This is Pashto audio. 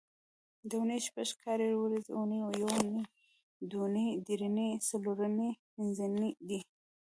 د اونۍ شپږ کاري ورځې اونۍ، یونۍ، دونۍ، درېنۍ، څلورنۍ، پینځنۍ دي